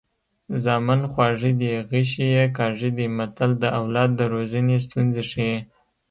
زامن خواږه دي غشي یې کاږه دي متل د اولاد د روزنې ستونزې ښيي